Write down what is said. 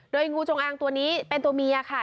โดยงูจงอางตัวนี้เป็นตัวเมียค่ะ